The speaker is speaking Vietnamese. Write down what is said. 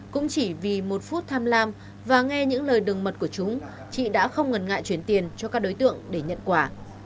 cũng chỉ vì một phút tham lam và nghe những lời đừng mật của chúng chị đã không ngần ngại chuyển tiền cho các đối tượng để nhận quà